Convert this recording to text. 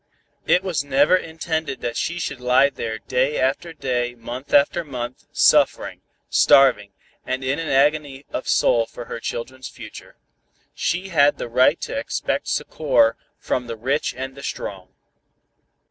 It was never intended that she should lie there day after day month after month, suffering, starving, and in an agony of soul for her children's future. She had the right to expect succor from the rich and the strong."